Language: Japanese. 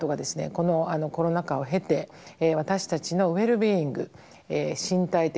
このコロナ禍を経て私たちのウェルビーイング身体的